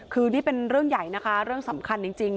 คือนี่เป็นเรื่องใหญ่นะคะเรื่องสำคัญจริง